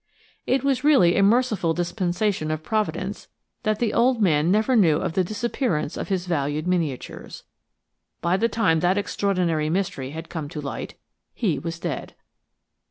It was really a merciful dispensation of Providence that the old man never knew of the disappearance of his valued miniatures. By the time that extraordinary mystery had come to light he was dead.